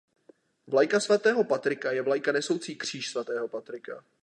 Vlajka svatého Patrika je vlajka nesoucí kříž svatého Patrika.